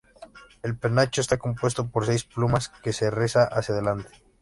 El penacho está compuesto por seis plumas que se riza hacia delante.